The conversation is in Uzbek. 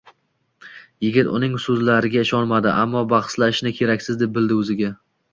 Yigit uning so’zlariga ishonmadi. Ammo bahslashishni keraksiz bildi o’ziga.